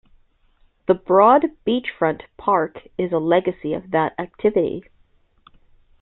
The broad beachfront park is a legacy of that activity.